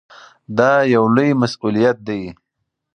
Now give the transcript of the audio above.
دا یو لوی مسؤلیت دی.